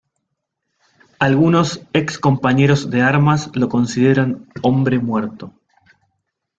Algunos excompañeros de armas lo consideran "hombre muerto".